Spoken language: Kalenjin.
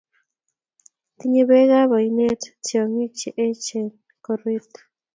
tinyei beek ab oinet tyong'k che ee koroti